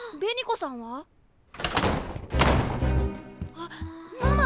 あっママ！